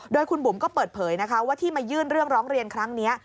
โดยคุณบุ๋มก็เปิดเผยนะคะว่าที่มายื่นเรื่องร้องเรียนครั้งนี้